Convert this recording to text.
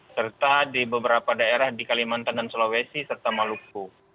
serta di beberapa daerah di kalimantan dan sulawesi serta maluku